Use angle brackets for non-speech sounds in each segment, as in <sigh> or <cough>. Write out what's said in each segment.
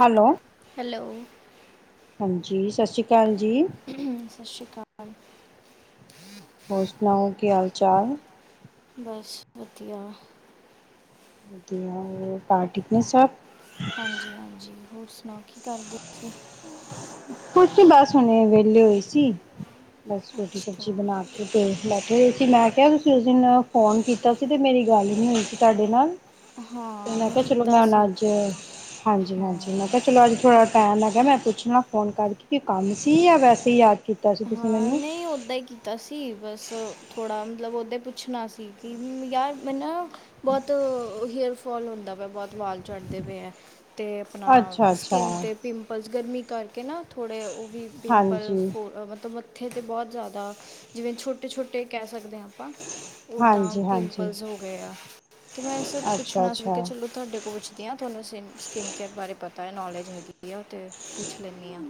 Hello hello ਹਾਂਜੀ ਸਤਿ ਸ਼੍ਰੀ ਅਕਾਲ ਜੀ ਸਤਿ ਸ਼੍ਰੀ ਅਕਾਲ ਹੋਰ ਸੁਣਾਓ ਕੀ ਹਾਲ ਚਾਲ ਬਸ ਵਧੀਆ ਵਧੀਆ ਹੋਰ ਘਰ ਠੀਕ ਨੇ ਸਭ ਹਾਂਜੀ ਹਾਂਜੀ ਹੋਰ ਸੁਣਾਓ ਕੀ ਕਰਦੇ ਹੋ ਤੁਸੀ ਕੁਛ ਨੀ ਬਸ ਹੁਣੇ ਵਿਹਲੇ ਹੋਏ ਸੀ ਬਸ ਰੋਟੀ ਅੱਛਾ ਸਬਜ਼ੀ ਬਣਾ ਕੇ ਤੇ ਬੈਠੇ ਹੋਏ ਸੀ ਮੈਂ ਕਿਹਾ ਉਸ ਦਿਨ ਫੋਨ ਕੀਤਾ ਸੀ ਤੇ ਮੇਰੀ ਗੱਲ ਹੀ ਨੀ ਹੋਈ ਸੀ ਤੁਹਾਡੇ ਨਾਲ ਤੇ ਹਾਂ ਮੈਂ ਕਿਹਾ ਚਲੋ ਕੀਤਾ ਮੈਂ ਹੁਣ ਸੀ ਅੱਜ ਹਾਂਜੀ, ਹਾਂਜੀ ਮੈਂ ਹਾਂ ਕਿਹਾ ਚਲੋ ਅੱਜ ਥੋੜਾ ਟਾਈਮ ਹੈਗਾ ਮੈਂ ਪੁੱਛ ਲਾ ਫੋਨ ਕਰਕੇ ਕੋਈ ਕੰਮ ਸੀ ਜਾਂ ਵੈਸੇ ਹੀ ਯਾਦ ਕੀਤਾ ਸੀ ਤੁਸੀਂ ਹਾਂ ਮੈਨੂੰ ਨਹੀਂ ਓਦਾਂ ਹੀ ਕੀ ਤਾ ਸੀ ਬਸ ਥੋੜ੍ਹਾ ਮਤਲਬ ਉਹਦੇ ਪੁੱਛਣਾ ਸੀ ਕਿ ਯਾਰ ਮੈਂ ਨਾ ਬਹੁਤ ਹੇਅਰ ਫੋਲ ਹੁੰਦਾ ਪਿਆ ਬਹੁਤ ਵਾਲ ਚੜ੍ਹਦੇ ਪਏ ਐ ਤੇ ਆਪਣਾ ਅੱਛਾ ਅੱਛਾ ਸਕਿੰਨ ਤੇ ਪਿੰਪਲਸ ਗਰਮੀ ਕਰਕੇ ਨਾ ਥੋੜ੍ਹੇ ਉਹ ਵੀ ਪਿੰਪਲ ਹਾਂਜੀ ਫੋ ਮਤਲਬ ਤੇ ਮੱਥੇ 'ਤੇ ਬਹੁਤ ਜ਼ਿਆਦਾ ਜਿਵੇਂ ਛੋਟੇ ਛੋਟੇ ਕਹਿ ਸਕਦੇ ਆ ਆ ਓਦਾਂ ਹਾਂਜੀ ਹਾਂਜੀ ਪਿੰਪਲਸ ਹੋ ਗਏ ਆ ਤੇ ਮੈਂ ਅੱਛਾ ਪੁੱਛਣਾ ਸੀ ਕਿ ਅੱਛਾ ਚਲੋ ਤੁਹਾਡੇ ਤੋਂ ਪੁੱਛਦੇ ਆ ਤੁਹਾਨੂੰ ਸਿ ਸਕਿੰਨ ਕੇਅਰ ਬਾਰੇ ਪਤਾ ਏ ਨੌਲੇਜ ਹੈਗੀ ਆ ਉਹ ਅਤੇ ਪੁੱਛ ਲੈਂਣੀ ਆ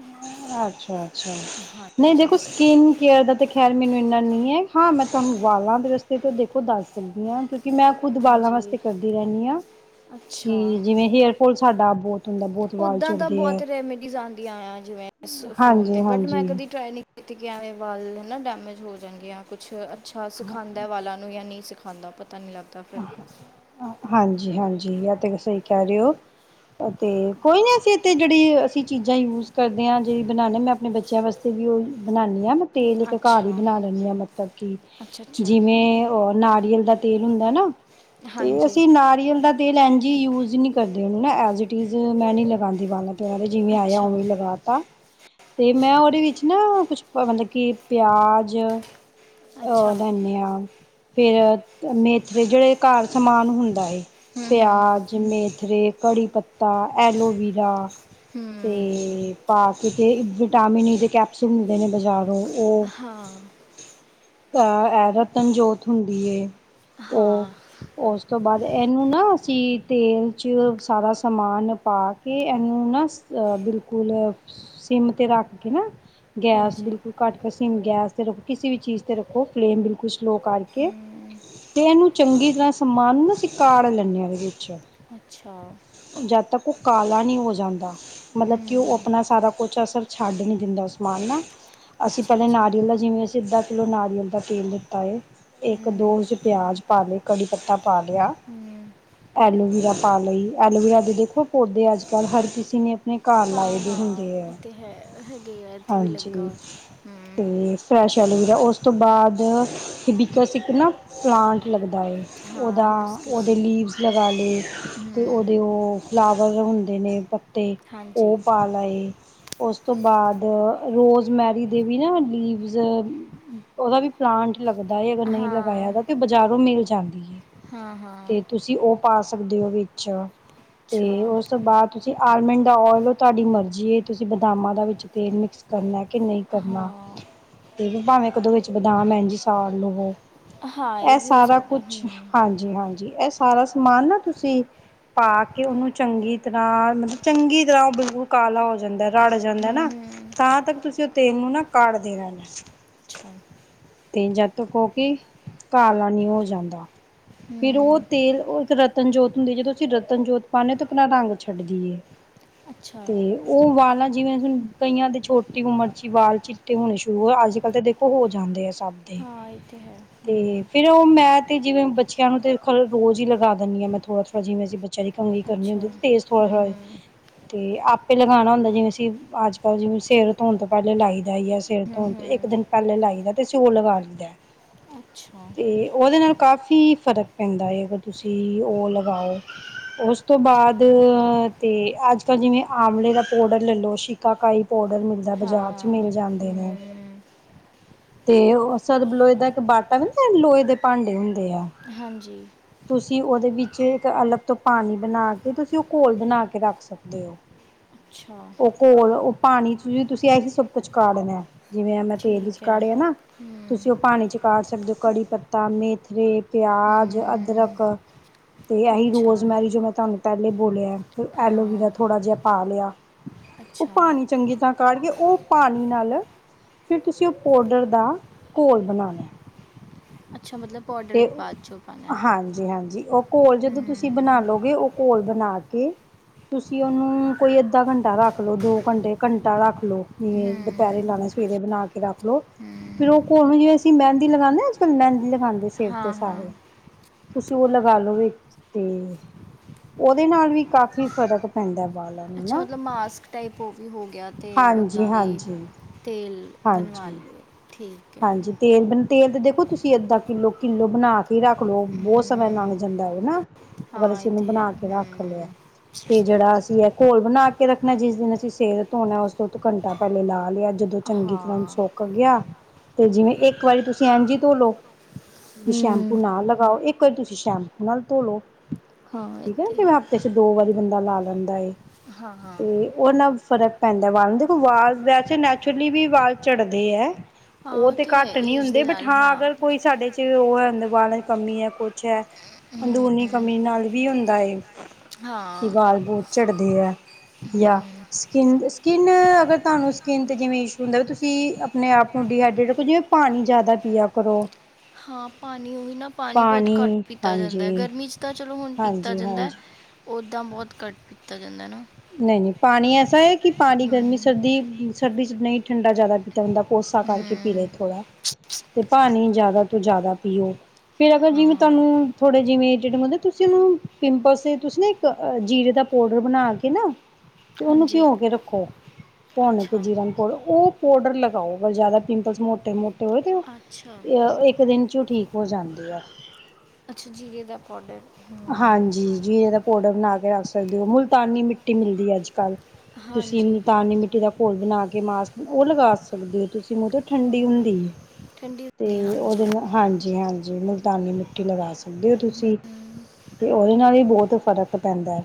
ਅੱਛਾ, ਅੱਛਾ ਨਹੀਂ ਦੇਖੋ ਸਕੀਨ ਕੈਰ ਦਾ ਤੇ ਖੈਰ ਮੈਨੂੰ ਇੰਨਾ ਨਹੀਂ ਏ ਹਾਂ ਮੈਂ ਤੁਹਾਨੂੰ ਵਾਲਾਂ ਦੇ ਰਸਤੇ ਤੋਂ ਦੇਖੋ ਦੱਸ ਦਿੰਦੀ ਆ ਕਿਉਂਕਿ ਕਿ ਮੈਂ ਖੁਦ ਵਾਲਾਂ ਵਾਸਤੇ ਹਾਂਜੀ ਕਰਦੀ ਰਹਿੰਦੀ ਆ ਕਿ ਜਿਵੇਂ ਹੇਅਰ ਫੋਲ ਸਾਡਾ ਬਹੁਤ ਹੁੰਦਾ ਬਹੁਤ ਵਾਲ ਓਦਾਂ ਤਾਂ ਝੜਦੇ ਹੈ ਬਹੁਤ ਰੈਮੀਡੀਜ਼ ਆਂਦੀਆਂ ਜਿਵੇਂ ਫੋਨ ਤੇ ਬਟ ਮੈਂ ਹਾਂਜੀ-ਹਾਂਜੀ। ਕਦੀ ਟਰਾਏ ਨੀ ਤਕੀਆਂ ਵੱਲੋ ਹਨਾ ਡੈਮੇਜ ਹੋ ਜਾਂਣਗੀਆਂ ਕੁਛ ਅੱਛਾ ਸਿਖਾਂਦਾ ਵਾਲਾ ਨ <unintelligible> ਪਤਾ ਨੀ ਲੱਗਦਾ ਫਿਰ <unintelligible> ਹਾਂਜੀ, ਹਾਂਜੀ ਆ ਤੇ ਸਹੀ ਕੈ ਰਹੇ ਹੋ ਤੇ ਕੋਈ ਨੀ ਅਸੀਂ ਤੇ ਜਿਹੜੀ ਅਸੀਂ ਚੀਜ਼ਾਂ ਯੂਜ ਕਰਦੇ ਆ ਜਿਹੜੀ ਬਣਾਦੇ ਹਾਂ ਮੈਂ ਆਪਣੇ ਬੱਚਿਆਂ ਵਾਸਤੇ ਵੀ ਉਹ ਬਣਾਣੀ ਆ ਤੇਲ ਇੱਕ ਘਰ ਹੀ ਅੱਛਾ ਬਣਾ ਲੈਂਣੀ ਆ ਮਤਲਬ ਕਿ ਅੱਛਾ ਅੱਛਾ ਜਿਵੇਂ ਉਹ ਨਾਰੀਅਲ ਦਾ ਤੇਲ ਹੁੰਦਾ ਨਾ ਤੇ ਹਾਂਜੀ ਅਸੀਂ ਨਾਰੀਅਲ ਦਾ ਤੇਲ ਐਂਜ ਈ ਯੂਜ ਨਹੀਂ ਕਰਦੀ ਨਾ ਐਜ਼ ਈ ਟੀਜ ਮੈਂ ਨਹੀਂ ਲਗਾਂਦੀ ਵਾਲਾ ਉਹਨਾਂ ਦੇ ਜਿਵੇਂ ਆਇਆ ਅੱਛਾ ਉਵੇਂ ਹੀ ਲਗਾ ਤਾ ਤੇ ਮੈਂ ਉਹਦੇ ਵਿੱਚ ਨਾ ਕੁਛ ਮਤਲਬ ਕਿ ਪਿਆਜ ਉਹ ਅੱਛਾ ਲੈਂਦੇ ਹਾਂ ਫੇਰ ਮੇਥਰੇ ਜੇੜੇ ਘਰ ਸਮਾਨ ਹੁੰਦਾ ਹੂੰ ਹੂੰ ਪਿਆਜ਼ ਮੇਥਰੇ ਕੜੀ ਪੱਤਾ ਐਲੋਵੀਰਾ ਹੂੰ ਤੇ ਪਾ ਕੇ ਤੇ ਵਿਟਾਮਿਨ ਈ ਦੇ ਕੈਪਸੂਲ ਮਿਲਦੇ ਨੇ ਬਜ਼ਾਰੋਂ ਇਹ ਹਾਂ ਅ ਰਤਨ ਜੋਤ ਹੁੰਦੀ ਹੈ ਉਹ ਹਾਂ ਉਸ ਤੋਂ ਬਾਅਦ ਇਹਨੂੰ ਨਾ ਅਸੀਂ ਤੇਲ 'ਚ ਸਾਰਾ ਸਮਾਨ ਪਾ ਕੇ ਇਹਨੂੰ ਨਾ ਅ ਬਿਲਕੁਲ ਸਿੰਮ ਤੇ ਰੱਖ ਕੇ ਨਾ ਗੈਸ ਹਾਂਜੀ ਬਿਲਕੁਲ ਘੱਟ ਕੇ ਸਿਮ ਗੈਸ 'ਤੇ ਰੱਖੋ ਕਿਸੇ ਵੀ ਚੀਜ਼ 'ਤੇ ਰੱਖੋ ਫਲੇਮ ਬਿਲਕੁਲ ਸਲੋ ਕਰਕੇ ਹੂੰ ਤੇ ਇਹਨੂੰ ਚੰਗੀ ਤਰ੍ਹਾਂ ਸਮਾਨ ਨੂੰ ਕਾੜ ਲੈਂਦੇ ਇਹਦੇ ਵਿੱਚ ਅੱਛਾ ਜਦ ਤੱਕ ਉਹ ਕਾਲਾ ਨਹੀਂ ਹੋ ਜਾਂਦਾ ਮਤਲਬ ਕਿ ਉਹ ਹੂੰ ਆਪਣਾ ਸਾਰਾ ਕੁਛ ਅਸਰ ਛੱਡ ਨੀ ਦਿੰਦਾ ਉਸ ਸਮਾਨ ਨਾ ਅਸੀਂ ਅੱਛਾ ਪੈਲਾਂ ਅੱਛਾ ਨਾਰੀਅਲ ਦਾ ਜਿਵੇਂ ਅਸੀਂ ਅੱਧਾ ਕਿਲੋ ਨਾਰੀਅਲ ਦਾ ਤੇਲ ਲਿਤਾ ਹੈ ਇੱਕ ਦੋ ਹੂੰ ਚ ਪਿਆਜ ਵਿਚ ਭਾਵੇ ਕੜੀ ਪੱਤਾ ਪਾ ਲਿਆ ਹੂੰ ਐਲੋਵੀਰਾ ਪਾ ਲਈ ਐਲੋਵੀਰਾ ਦੇ ਦੇਖੋ ਪੌਦੇ ਅੱਜ ਕੱਲ੍ਹ ਹਰ ਕਿਸੇ ਨੇ ਨੇ ਘਰ ਲਾਏ ਹਾਂ ਵੀ ਹਾਂ ਹੁੰਦੇ ਆ ਇਹ ਤਾਂ ਹੈ ਹੈਗੇ ਆ ਇੱਥੇ ਵੀ ਲੱਗਾ ਹਾਂਜੀ ਹੋਇਆ। ਹੂੰ ਅਤੇ ਫਰੈਸ਼ ਐਲਵੀਰ ਉਸ ਤੋਂ ਬਾਅਦ ਹ ਬਿਕਸ ਇੱਕ ਨਾ ਪਲਾਂਟ ਲੱਗਦਾ ਹੈ ਹਾਂ ਉਹਦਾ ਹਿਬਿਸਕਸ ਉਹਦੇ ਲੀਵਸ ਲਗਾ ਲਏ ਅਤੇ ਉਹ ਹੂੰ ਦੇ ਉਹ ਫਲਾਵਰ ਹੁੰਦੇ ਨੇ ਪੱਤੇ ਹਾਂਜੀ ਉਹ ਪਾ ਲਾਏ ਉਸ ਤੋਂ ਬਾਅਦ ਰੋਜ਼ਮੈਰੀ ਦੇ ਵੀ ਨਾ ਲੀਵਜ਼ ਉਹਦਾ ਵੀ ਪਲਾਂਟ ਲੱਗਦਾ ਏ ਅਗਰ ਹਾਂ ਨਹੀਂ ਲਗਾਇਆ ਤੇ ਬਾਜ਼ਾਰੋਂ ਮਿਲ ਜਾਂਦੀ ਏ ਹਾਂ ਹਾਂ ਤੇ ਤੁਸੀਂ ਉਹ ਪਾ ਸਕਦੇ ਹੋ ਵਿੱਚ ਅੱਛਾ ਤੇ ਉਸ ਤੋਂ ਬਾਦ ਤੁਸੀਂ ਆਲਮੰਡ ਦਾ ਓਏਲ ਹੋ ਤੁਹਾਡੀ ਮਰਜ਼ੀ ਤੁਸੀਂ ਬਦਾਮਾਂ ਦਾ ਵਿੱਚ ਤੇਲ ਮਿਕਸ ਕਰਨਾ ਕਿ ਨਹੀਂ ਕਰਨਾ ਹਾਂ ਇਹ ਵੀ ਭਾਵੇਂ ਕਦੋਂ ਵਿੱਚ ਬਦਾਮ ਇ ਜੀ ਸਾੜ ਲਵੋ ਹਾਂ ਇਹ ਵੀ ਹੋ ਸਾਰਾ ਸਕਦਾ ਕੁਛ ਹੂੰ ਹਾਂਜੀ ਹਾਂਜੀ ਇਹ ਸਾਰਾ ਸਮਾਨ ਨਾ ਤੁਸੀਂ ਪਾ ਕੇ ਉਹਨੂੰ ਚੰਗੀ ਤਰ੍ਹਾਂ ਮਤਲਬ ਚੰਗੀ ਤਰ੍ਹਾਂ ਉਹ ਬਿਲਕੁਲ ਕਾਲਾ ਹੋ ਜਾਂਦਾ ਰੜ ਜਾਂਦਾ ਹੂੰ ਨਾ ਹੂੰ ਤਾਂ ਤੱਕ ਤੁਸੀਂ ਉਹ ਤੇਲ ਨੂੰ ਨਾ ਕਾੜਦੇ ਦੇ ਰੈਣਾ ਛ ਤੇ ਜਦ ਤਕ ਓਕੀ ਕਾਲਾ ਨੀ ਹੋ ਜਾਂਦਾ ਫੇਿਰ ਉਹ ਹੂੰ ਤੇਲ ਉਹ ਇੱਕ ਰਤਨ ਜੋਤ ਹੁੰਦੀ ਜਦੋਂ ਅਸੀਂ ਰਤਨ ਜੋਤ ਪਾਂਦੇ ਤਾਂ ਆਪਣਾ ਰੰਗ ਛੱਡਦੀ ਏ ਅੱਛਾ ਤੇ ਉਹ ਵਾਲਾਂ ਜਿਵੇਂ ਹੁਣ ਕਈਆਂ ਦੀ ਛੋਟੀ ਉਮਰ ਚ ਹੀ ਵਾਲ ਚਿੱਟੇ ਹੋਣੇ ਸ਼ੁਰੂ ਹੋ ਅੱਜ ਕੱਲ੍ਹ ਤਾਂ ਦੇਖੋ ਹੋ ਜਾਂਦੇ ਆ ਸੱਭਦੇ ਹਾਂ ਇਹ ਤਾਂ ਹੈ ਹ ਉਹ ਮੈਂ ਤੇ ਜਿਵੇਂ ਬੱਚਿਆਂ ਨੂੰ ਖ ਰੋਜ਼ ਹੀ ਲਗਾ ਦਿੰਦੀ ਹਾਂ, ਮੈਂ ਥੋੜਾ- ਥੋੜਾ ਜਿਵੇਂ ਅਸੀਂ ਬੱਚਿਆਂ ਦੀ ਕੰਘੀ ਕਰਨੀ ਅੱਛਾ ਹੁੰਦੀ, ਤੇ ਥੋੜ੍ਹਾ ਹੂੰ ਥੋ੍ਹਾ ਹੂੰ ਅਤੇ ਆਪੇ ਲਗਾਉਣਾ ਹੁੰਦਾ ਜਿਵੇਂ ਅਂ ਅੱਜ ਕੱਲ ਜਿਵੇਂ ਸਿਰ ਧੋਣ ਤੋਂ ਪਹਿਲਾਂ ਲਾਈ ਦਾ ਹੀਈ, ਸਿਰ ਹੂੰ ਧੋਣ ਤੋਂ ਇੱਕ ਹੂੰ ਦਿਨ ਪਹਿਲੇ ਲਾਈ ਦਾ, ਤੇ ਅਸੀ ੳ ਲਗਾ ਲਈਦਾ। ਅੱਛਾ ਅਤੇ ਉਹਦੇ ਨਾਲ ਕਾਫੀ ਫ਼ਰਕ ਪੈਂਦਾ ਹੈ, ਅਗਰ ਤੁਸੀਂ ਉਹ ਲਗਾਓ। ਉਸ ਤੋਂ ਬਾਅਦ ਠੀਕ ਹੈ। ਤੇ ਅੱਜ ਕੱਲ੍ਹ ਜਿਵੇਂ ਆਮਲੇ ਦਾ ਪਾਊਡਰ ਲੈ ਲਓ, ਸ਼ਿਕਾਕਾਈ ਪਾਊਡਰ ਮਿਲ ਦਾਂ ਬਾਜ਼ਾਰ 'ਚ ਮਿਲ ਹਾਂ ਜਾਂਦੇ ਨੇ, ਹੂੰ ਤੇ ਉਹ ਸਰਬ ਲੋਏ ਦਾ ਇੱਕ ਬਾਟਾ ਵੀ, ਲੋਹੇ ਦੇ ਭਾਂਡੇ ਹੁੰਦੇ ਆ ਹਾਂਜੀ। ਤੁਸੀਂ ਉਹਦੇ ਵਿੱਚ ਇੱਕ ਅਲੱਗ ਤੋਂ ਪਾਣੀ ਬਣਾ ਕੇ, ਤੁਸੀਂ ਉਹ ਘੋਲ ਬਣਾ ਕੇ ਰੱਖ ਸਕਦੇ ਹੋ। ਅੱਛਾ। ਉਹ ਘੋਲ ਉਹ ਪਾਣੀ 'ਚ ਵੀ ਤੁਸੀਂ ਇਹੀ ਸਭ ਕੁਛ ਕਾਢਨਾ ਹੈ, ਜਿਵੇ ਮੈਂ ਤੇਲ ਵਿੱਚ ਠੀਕ ਹੈ ਕਾੜੇ ਨਾ, ਹੂੰ ਤੁਸੀਂ ਉਹ ਪਾਣੀ 'ਚ ਪਾ ਸਕਦੇ ਹੋ। ਕੜੀ ਪੱਤਾ, ਮੇਥਰੇ, ਪਿਆਜ, ਹੂੰ ਅਦਰਕ ਤੇ ਇਹੀ ਅੱਛਾ ਰੋਜ਼ਮੈਰੀ ਜੋ ਮੈਂ ਤੁਹਾਨੂੰ ਪਹਿਲੇ ਬੋਲਿਆ, ਐਲੋਵਰਾ ਹਾਂ ਥੋੜ੍ਹਾ ਜਿਹਾ ਪਾ ਲਿਆ ਉਹ ਅੱਛਾ ਪਾਣੀ ਚੰਗੀ ਤਰ੍ਹਾਂ ਕਾਢ ਕੇ, ਉਹ ਪਾਣੀ ਨਾਲ ਫਿਰ ਤੁਸੀਂ ਉਹ ਪੌਡਰ ਦਾ ਘੋਲ ਬਣਾਉਨਾ। ਅੱਛਾ, ਮਤਲਬ ਪ ਔਡਰ ਬਾਅਦ 'ਚ ਹੋ ਪਾਉਣਾ। ਹਾਂਜੀ ਹਾਂਜੀ, ਉਹ ਘੋਲ ਜਦੋਂ ਤੁਸੀਂ ਹੂੰ ਬਣਾ ਲਉਗੇ, ਉਹ ਘੋਲ ਬਣਾ ਓ ਤੁਸੀਂ ਉਹਨੂੰ ਕੋਈ ਅੱਧਾ ਘੰਟਾ ਰੱਖ ਲੋ, ਦੋ ਘੰਟੇ ਘੰਟਾ ਰੱਖ ਲਓ ਤੇ ਜਿਵੇਂ ਦੁਪਹਿਰੇ ਲਾਣਾ, ਸਵੇਰੇ ਬਣਾ ਕੇ ਰੱਖ ਲਓ, ਫੇਰ ਉਹ ਘੋਲ ਨੂੰ ਜਿਵੇਂ ਅਸੀਂ ਮਹਿੰਦੀ ਲਗਾਉਦੇ ਹ ਅਜ ਕੱਲ੍ਹ, ਮਹਿੰਦੀ ਲਗਾਉਂਦੇ ਸੀ ਸਿਰ ਤੇ ਹਾਂ ਹਾਂ ਸਾਰੇ ਤੁਸੀਂ ਉਹ ਲਗਾ ਲਓਗੇ ਤੇ, ਉਹਦੇ ਨਾਲ ਵੀ ਕਾਫੀ ਫ਼ਰਕ ਪੈਂਦਾ ਬਾਲ ਅੱਛਾ ਮਤਲਬ ਮਾਸਕ ਟਾਈਪ ਉਹ ਵੀ ਹੋ ਗਿਆ, ਅਤੇ ਉੱਦਾਂ ਵੀ ਹਾਂਜੀ-ਹਾਂਜੀ, ਤੇਲ ਬਣਵਾ ਹਾਂਜੀ। ਹਾਂਜੀ ਲਿਓ, ਠੀਕ ਹੈ। ਹਾਂਜੀ ਤੇਲ ਬ ਤੇਲ ਤੇ ਦੇਖੋ, ਤੁਸੀਂ ਅੱਧਾਂ ਕਿੱਲੋ -ਕਿੱਲੋ ਬਣਾ ਕੇ ਰੱਖ ਲਓ, ਬਹੁਤ ਸਮੇਂ ਲੰਗ ਹੂੰ ਜਾਂਦਾ ਉਹ ਨਾ। ਅਗਰ ਹਾਂ ਅਸੀਂ ਇਹ ਉਹਨੂੰ ਤਾਂ ਹੈ ਬਣਾ ਕੇ ਰੱਖ ਲਿਆ, ਹੂੰ ਤੇ ਜਿਹੜਾ ਅਸੀਂ ਘੋਲ ਬਣਾ ਕੇ ਰੱਖਣਾ ਜਿਸ ਦਿਨ ਅਸੀਂ ਸਿਰ ਧੋਣਾ, ਉਸ ਤੋਂ ਘੰਟਾ ਪਹਿਲੇ ਲਾ ਲਿਆ ਜਦੋਂ ਚੰਗੀ ਤਰ੍ਹਾਂ ਹਾਂ ਸੌੱਕ ਗਿਆ, ਤੇ ਜਿਵੇਂ ਇੱਕ ਵਾਰੀ ਤੁਸੀਂ ਐਨ ਜੀ ਧੋਲੋ ਵੀ ਸ਼ੈਂਪੂ ਹੂੰ ਨਾ ਲਗਾਓ, ਇੱਕ ਵਾਰੀ ਤੁਸੀਂ ਸ਼ੈਂਪੂ ਨਾਲ ਧੋਲੋ। ਹਾਂ ਇਹ ਠੀਕ ਹੈ ਨਾ, ਤਾਂ ਜਿਵੇਂ ਹਫ਼ਤੇ 'ਚ ਦੋ ਵਾਰੀ ਬੰਦਾ ਲਾ ਲੈਂਦਾ ਏ ਹਾਂ ਹਾਂ ਤੇ ਉਹ ਨਾਲ ਫ਼ਰਕ ਪੈਂਦਾ ਵਾਲ ਨੂੰ, ਦੇਖੋ ਵਾਲ ਵੈਸੇ ਨੈਚੁਰਲੀ ਵੀ ਵਾਲ ਝੜਦੇ ਹੈ। ਉਹ ਹਾਂ ਤੇ ਤਾਂ ਹੈ ਘੱਟ ਨਹੀਂ ਏਜ ਹੁੰਦੇ, ਦੇ ਬਟ ਨਾਲ ਹਾਂ ਅਗਰ ਕੋਈ ਸਾਡੇ 'ਚ ਉਹ ਹੈ ਬਾਲਾਂ 'ਚ ਕਮੀ ਹੈ ਕੁਛ ਹੈ, ਅੰਦਰੂਨੀ ਹੂੰ ਕਮੀ ਨਾਲ ਵੀ ਹੁੰਦਾ। ਕਿ ਹਾਂ ਵਾਲ ਬੂ ਝੜਦੇ ਹੈ ਜਾਂ, ਹਮ, ਸਕੀਨ, ਸਕਿਨ ਅਗਰ ਤੁਹਾਨੂੰ ਸਕਿਨ ਤੇ ਜਿਵੇਂ ਇਸ਼ੂ ਹੁੰਦਾ ਤੁਸੀਂ ਆਪਣੇ ਆਪ ਨੂੰ ਡੀਹਾ ਡਰੇਟ, ਜਿਵੇਂ ਪਾਣੀ ਜਿਆਦਾ ਪੀਆ ਕਰੋ। ਹਾਂ ਪਾਣੀ ਉਹ ਵੀ ਨਾ ਪਾਣੀ ਬਹੁਤ ਘੱਟ ਪੀਤਾ ਜਾਂਦਾ, ਗਰਮੀ 'ਚ ਤਾਂ ਚਲੋ ਹੁਣ ਪੀਤਾ ਹਾਂਜੀ ਜਾਂਦਾ। ਹਾਂਜੀ ਉੱਦਾਂ ਬਹੁਤ ਘੱਟ ਪੀਤਾ ਜਾਂਦਾ ਨਾ। ਨਹੀਂ ਨਹੀਂ ਪਾਣੀ ਐਸਾ ਹੈ, ਕਿ ਪਾਣੀ ਗਰਮੀ ਹਮ, ਸਰਦੀ ਸਰਦੀ 'ਚ ਨਹੀਂ ਠੰਡਾ ਜ਼ਿਆਦਾ ਪੀਤਾ ਹੁੰਦਾ, ਬੰਦਾ ਕੋਸਾ ਕਰਕੇ ਪੀ ਲਏ ਹਮ, ਥੋੜ੍ਹਾ ਤੇ ਪਾਣੀ ਜ਼ਿਆਦਾ ਤੋਂ ਜ਼ਿਆਦਾ ਪੀਓ। ਫੇਰ ਅਗਰ ਜਿਵੇਂ ਹਾਂ ਤੁਹਾਨੂੰ ਥੋੜੇ ਜਿਵੇਂਿਡੁੰਦੇ ਤੁਸੀਂ ਉਹਨੂੰ ਪਿੰਪਲਸ ਦੇ ਤੁਸੀਂ। ਜੀਰੇ ਦਾ ਪਾਊਡਰ ਬਣਾ ਕੇ- ਨਾ ਤੇ ਉਹਨੂੰ ਹਾਂਜੀ ਭਿਓ ਕੇ ਰੱਖੋ ਭੁਨ ਕੇ ਅੱਛਾ ਜੀਰਾ ਨੂੰ। ਫੇਰ ਉਹ ਪਾੋਡਰ ਲਗਾਓ ਜ਼ਿਆਦਾ ਪਿੰਪਲਸ ਮੋਟੇ- ਮੋਟੇ। ਹੋ ਤੇ ਅੱਛਾ ਇੱਕ ਦਿਨ ਚ ਠੀਕ ਹੋ ਜਾਂਦੇ ਆ। ਅੱਛਾ ਜੀਰੇ ਦਾ ਪਾਊਡਰ। ਹਮ ਹਾਂਜੀ ਜੀਰੇ ਦਾ ਪਾਊਡਰ ਬਣਾ ਕੇ ਰੱਖ ਸਕਦੇ ਹੋ, ਮੁਲਤਾਨੀ ਮਿੱਟੀ ਮਿਲਦੀ ਹੈ ਅੱਜ ਕੱਲ। ਤੁਸੀਂ ਹਾਂਜੀ ਮੁਲਤਾਨੀ ਮਿੱਟੀ ਦਾ ਘੋਲ ਬਣਾ ਕੇ ਮਾਸਕ ਉਹ ਲਗਾ ਸਕਦੇ ਹੋ ਤੁਸੀਂ ਮੁਹਦੇ। ਠੰਡੀ ਹਾਂ ਹੁੰਦੀ ਹੈ, ਠੰਡੀ ਹੁੰਦੀ ਤੇ ਹਾਂਜੀ ਉਹਦੇ ਨਾਲ ਹਾਂਜੀ- ਹਾਂਜੀ ਮੁਲ- ਤਾਨੀ ਮਿੱਟੀ ਲਗਾ ਸਕਦੇ ਹੋ ਤੁਸੀਂ। ਹਮ, ਤੇ ਉਹਦੇ ਨਾਲ ਵੀ ਬਹੁਤ ਫ਼ਰਕ ਪੈਂਦਾ ਹੈ।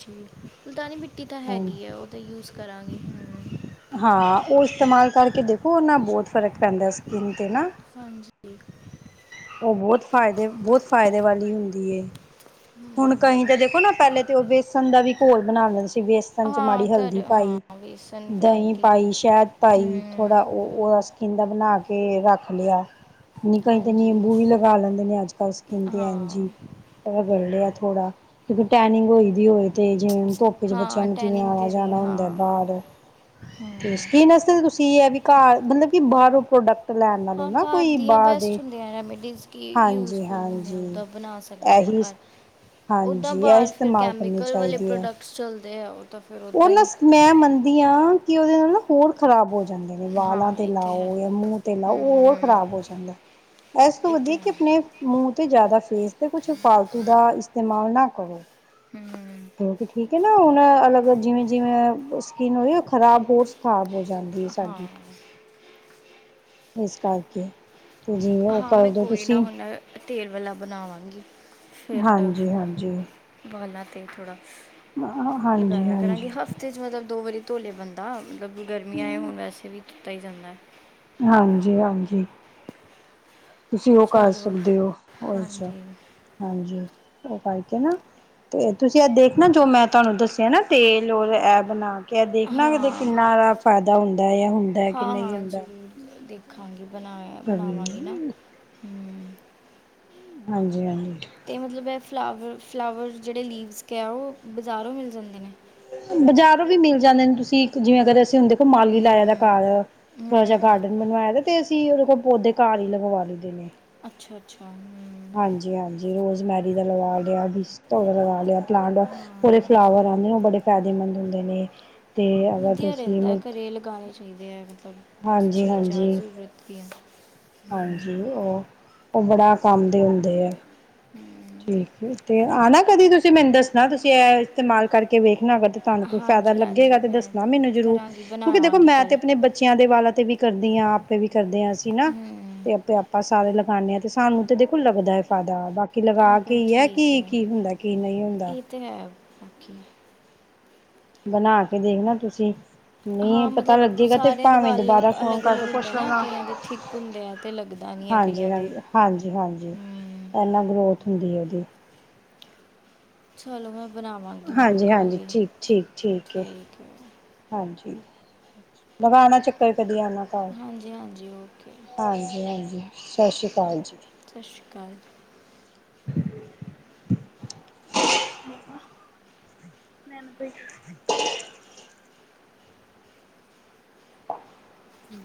ਜੀ ਮੁਲਤਾਨੀ ਮਿੱਟੀ ਤਾਂ ਹਾਂ ਹੈਗੀ ਹੈ, ਉਹ ਤਾਂ ਯੂਜ ਕਰਾਂਗੀ। ਹਾਂ ਉਹ ਇਸਤੇਮਾਲ ਕਰਕੇ ਦੇਖੋ ਉਹਨਾਂ ਬਹੁਤ ਫਰਕ ਪੈਂਦਾ ਸਕਿੰਨ 'ਤੇ ਨਾ। ਹਾਂਜੀ। ਉਹ ਬਹੁਤ ਫਾਇਦੇ- ਬਹੁਤ ਫਾਇਦੇ ਵਾਲੀ ਹੁੰਦੀ ਏ। ਹੁਣ ਕਹੀ ਤਾਂ ਦੇਖੋ ਨਾ ਪਹਿਲੇ ਤੇ ਉਹ ਬੇਸਣ ਦਾ ਵੀ ਘੋਲ ਬਣਾ ਲੈਂਦੇ ਸੀਗੇ। ਪਂਚ ਹਾਂ ਮਾੜੀ ਕਰ ਹਲਦੀ ਹਾਂ ਪਾਈ, ਵੇਸਨ ਪਤਾ ਨਹੀਂ ਦਹੀਂ ਕੀ ਕੀ ਪਾਈ, ਸ਼ਹਿਦ ਪਾਈ, ਹਮ ਥੋੜਾ ਉਹ- ਉਹ ਸ- ਓਂਦਾ ਬਣਾ ਕੇ ਰੱਖ ਲਿਆ। ਕਹੀ ਤੇ ਹਾਂਜੀ ਨਿੰਬੂ ਵੀ ਲਗਾ ਲੈਂਦੇ ਨੇ ਅੱਜ ਕੱਲ ਸਕਿੰਨ ਤੇ ਹਾਂ ਹਾਂਜੀ। ਕਰ ਲੇਆ ਥੋਡਾ ਜਿਥੇ ਟਾਈਨਿੰਗ ਹੋਈ ਦੀ ਐ ਓਥੇ। ਤੇ ਜਿਵੇਂ ਧੋੱਪ ਚ ਬੱਚਿਆਂ ਹਾਂ ਨੂੰ ਜਿਵੇਂ ਟੈਨਿੰਗ ਆਉਣਾ- ਦੇ ਲਈ ਜਾਣਾ ਹੁੰਦਾ ਹਾਂ ਬਾਹਰ, ਤੇ ਇਸ ਹੂੰ ਫਿਰਨਸ ਤੁਸੀਂ ਇਹ ਹੈ ਵੀ ਘਰ ਮਤਲਬ ਕਿ ਬਾਹਰੋਂ ਪ੍ਰੋਡਕਟ ਲੈਣ ਨਾਲਓ ਹਾਂ ਨਾ ਘਰ ਕੋਈ ਦੀਆਂ ਬਾਹਰ ਬੈਸਟ ਦੇ, ਰੈਮੀਡੀਜ਼ ਕੀ ਯੂਜਫੁੱਲ ਹੁੰਦੀਆਂ ਹਾਂਜੀ-ਹਾਂਜੀ। ਉਦਾਂ ਬਣਾ ਸਕਦੇ ਹਾਂ ਆਪਾਂ ਇਹੀ ਘਰ ਉਦਾਂ ਹਾਂਜੀ ਇਹ ਬਾਹਰ ਫੇਰ ਇਸਤੇਮਾਲ ਕਰਨੀ ਕੈਮੀਕਲ ਵਾਲੇ ਚਾਹੀਦੀ ਐ। ਪ੍ਰੋਡਕਟਸ ਚੱਲਦੇ ਆ ਉਹ ਤਾਂ ਫੇਰ ਉਹ ਓਦਾਂ ਨਾ ਹੀ, ਮੈਂ ਮੰਨਦੀ ਹਾਂ ਕੀ ਉਹਨਾ ਨਾਲ ਹੋਰ ਖ਼ਰਾਬ ਹੋ ਜਾਂਦੇ ਨੇ ਵਾਲਾਂ ਹਾਂ 'ਤੇ ਇਹ ਤਾਂ ਹੈ ਲਾਓ ਜਾਂ ਮੂੰਹ 'ਤੇ ਲਾਓ ਹੋਰ ਹੂੰ ਖ਼ਰਾਬ ਹੋ ਜਾਂਦਾ। ਇਸ ਤੋਂ ਇਹ ਵਧੀ ਤਾਂ ਹੈ ਮੂੰਹ ਤੇ ਜ਼ਿਆਦਾ ਫੇਸ ਤੇ ਕੁਛ ਫਾਲਤੂ ਦਾ ਇਸਤੇਮਾਲ ਨਾ ਕਰੋ। ਹੂੰ ਕਿਉਂਕਿ ਠੀਕ ਹੈ ਨਾ ਹੁਣ ਅਲੱਗ ਜਿਵੇਂ- ਜਿਵੇਂ ਸਕਿਨ ਹੋਈ ਖ਼ਰਾਬ ਹੋਰ, ਖਰਾਬ ਹੋ ਜਾਂਦੀ ਹੈ ਹਾਂ ਸਾਡੀ, ਇਸ ਕਰਕੇ। ਤੇ ਜਿਵੇਂ ਉਹ ਹਾਂ ਮੈਂ ਕਰਦੋ ਕੋਈ ਤੁਸੀਂ- ਨਾ ਹੁਣ ਤੇਲ ਵਾਲਾ ਬਣਾਵਾਂਗੀ ਫੇਰ ਹਾਂਜੀ ਹਾਂਜੀ ਬਾਂਲਾ ਤੇ ਥੋੜਾ। ਹਾਂਜੀ ਲਗਾਇਆ ਹਾਂਜੀ ਕਰਾਂਗੇ ਹਫ- ਤੇ ਚਲੋ ਦੋ ਵਾਰੀ ਧੋਲੇ ਬੰਦਾ ਮਤਲਬ ਗਰਮੀਆਂ ਏ ਹੋੁਣ ਵੈਸੇ ਵੀ ਧੋਤਾ ਹੀ ਜਾਂਦਾ। ਹਾਂਜੀ- ਹਾਂਜੀ। ਤੁਸੀਂ ਉਹ ਕਰ ਚਲੋ ਸਕਦੇ ਹੋ ਉਹਦੇ ਚ ਹਾਂਜੀ ਹਾਂਜੀ ਉਹ ਕਰਕੇ ਨਾ, ਤੇ ਤੁਸੀਂ ਇਹ ਦੇਖ ਨਾ ਜੋ ਮੈਂ ਤੁਹਾਨੂੰ ਦੱਸਿਆ ਨਾ ਤੇਲ ਔਰ ਇਹ ਬਣਾ, ਕ ਦੇਖਣਾ ਕਿਤੇ ਹਾਂ ਕਿੰਨਾ ਜਾਦ ਫਾਇਦਾ ਹੁੰਦਾ ਆ ਹੁਣ। ਹਾਂ- ਹਾਂ ਜ਼ਰੂਰ ਦੇਖਾਂਗੀ ਬਣਾ ਹਾਂਜੀ ਬਣਾਵਾਂਗੀ ਨਾ, ਹੂੰ। ਹਾਂਜੀ- ਹਾਂਜੀ। ਤੇ ਮਤਲਬ ਹੈ ਫਲਾਵਰ- ਫਲਾਵਰ ਜਿਹੜੇ ਲੀਵਸ ਕੇਆ ਉਹ ਬਜ਼ਾਰੋਂ ਮਿਲ ਜਾਂਦੇ ਨੇ। ਬਜ਼ਾਰੋਂ ਵੀ ਮਿਲ ਜਾਂਦੇ ਨੇ ਤੁਸੀਂ ਇਕ ਜਿਵੇਂ ਅਗਰ ਅਸੀਂ ਹੁੰਣ ਦੇ- ਮਾਲੀ ਲਾਏਆ ਵਾ ਹਮ ਘਰ ਥੋੜਾ ਜਿਹਾ ਹਮ ਗਾਰਡਨ ਬਣਵਾਇਆ। ਤੇ ਅਸੀਂ ਉਹਦੇ ਕੋਲ ਪੌਦੇ ਘਰ ਹੀ ਲਗਵਾ ਲਈ ਦੇ ਨੇ। ਅੱਛਾ- ਅੱਛਾ। ਹਾਂਜੀ -ਹਾਂਜੀ ਰੋਜ਼ਮੈਰੀ ਦਾ ਲਵਾ ਲਿਆ, ਬਿਸ ਦਾ ਲਵਾ ਲਿਆ। ਪਲਾਂਟ ਹਾਂ ਪੂਰੇ ਫਲਾਵਰ ਆਉਂਦੇ ਨੇ, ਉਹ ਬੜੇ ਫਾਇਦੇਮੰਦ ਹੁੰਦੇ ਨੇ। ਤੇ ਅਗਰ ਵਧੀਆ ਤੁਸੀਂ ਰਹਿੰਦਾ ਹੈ, ਘਰੇ ਲਗਾਉਣੇ ਚਾਹੀਦੇ ਹੈ, ਮਤਲਬ ਹਾਂਜੀ ਚੀਜ਼ਾਂ ਹਾਂਜੀ ਜ਼ਰੂਰਤ ਦੀਆਂ। ਹਾਂਜੀ, ਹਮ ਉਹ, ਉਹ ਬੜਾ ਕੰਮ ਦੇ ਹੁੰਦੇ ਹੈ। ਹਮ ਠੀਕ ਤੇ ਆ, ਨਾ ਕਦੀ ਤੁਸੀਂ ਮੈਨੂੰ ਦੱਸਣਾ, ਤੁਸੀਂ ਇਹ ਇਸਤੇਮਾਲ ਕਰਕੇ ਵੇਖਣਾ ਕਦੇ। ਤੁਹਾਨੂੰ ਕੋਈ ਫਾਇਦਾ ਹਾਂਜੀ ਲੱਗੇਗਾ, ਹਾਂਜੀ ਤੇ ਮੈਂ ਦੱਸਣਾ ਮੈਨੂੰ ਜ਼ਰੂਰ, ਕਰਾਂਗੀ ਕਿਉਂਕਿ ਦੇਖੋ ਬਣਾਵਾਂਗੀ ਮੈਂ ਤੇ ਕੱਲ ਆਪਣੇ ਬੱਚਿਆਂ ਦੇ ਵਾਲਾ ਤੇ ਵੀ। ਕਰਦੀ ਹਾਂ, ਆਪੇ ਵੀ ਕਰਦੇ ਹਾਂ, ਅਸੀਂ ਨਾ ਹੂੰ ਤੇ ਆਪ, ਆਪਾਂ ਸਾਰੇ ਲਗਾਉਂਦੇ ਹਾਂ, ਤੇ ਸਾਨੂੰ ਤੇ ਦੇਖੋ ਲੱਗਦਾ ਏ ਫਾਇਦਾ ਬਾਕੀ ਕਿ ਆ ਲਗਾ ਕੇ, ਤਾਂ ਹੀ ਹੈ, ਕਿ ਕੀ ਹੁੰਦਾ, ਕੀ ਨਹੀਂ ਹੁੰਦਾ। ਅਤੇ ਹੈ, ਬਾਕੀ। ਬਣਾ ਕੇ, ਦੇਖਣਾ ਤੁਸੀਂ। ਨਹੀਂ ਹਾਂ ਪਤਾ ਮਤਲਬ, ਲੱਗੇਗਾ ਤੇ ਸਾਰਿਆਂ ਦੇ ਭਾਵੇਂ ਵਾਲ ਦੁਬਾਰਾ ਫੋਨ ਅਲੱਗ ਕਰਕੇ -ਅਲੱਗ ਹੁੰਦੇ ਪੁੱਛ ਹੈਨਾ, ਲੈਣਾ ਕਈਆਂ ਦੇ ਥਿੱਕ ਹੁੰਦੇ ਆ। ਤੇ ਲੱਗਦਾ ਨਹੀਂ, ਹੈ ਕਈਆਂ ਹਾਂਜੀ ਦੇ, ਹਾਂਜੀ ਹਾਂਜੀ -ਹਾਂਜੀ, ਹੂੰ ਇੰਨਾ ਗਰੋਥ ਹੁੰਦੀ ਹੈ, ਉਹਦੀ। ਚਲੋ, ਮੈਂ ਬਣਾਵਾਂਗੀ, ਹੁਣ ਕੱਲ ਹਾਂਜੀ-ਹਾਂਜੀ, ਹੀ ਠੀਕ-ਠੀਕ, ਏ ਠੀਕ ਹੈ। ਹਾਂਜੀ ਲਗਾਉਣਾ, ਚੱਕਰ ਕਦੀ ਆਣਾ। ਹਾਂਜੀ -ਹਾਂਜੀ ਓਕੇ। ਹਾਂਜੀ -ਹਾਂਜੀ, ਸਤਿ ਸ਼੍ਰੀ ਅਕਾਲ ਜੀ। ਸਤਿ ਸ਼੍ਰੀ ਅਕਾਲ। <unintelligible> ਮੈ, ਤੇਈ। ਹੂੰ।